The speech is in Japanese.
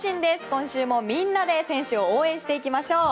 今週もみんなで選手を応援していきましょう。